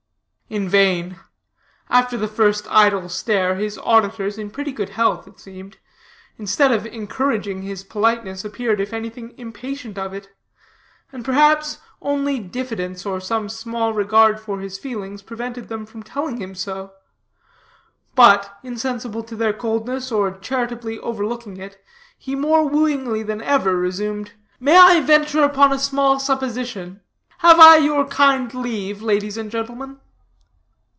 In vain. After the first idle stare, his auditors in pretty good health, it seemed instead of encouraging his politeness, appeared, if anything, impatient of it; and, perhaps, only diffidence, or some small regard for his feelings, prevented them from telling him so. But, insensible to their coldness, or charitably overlooking it, he more wooingly than ever resumed: "May I venture upon a small supposition? Have I your kind leave, ladies and gentlemen?"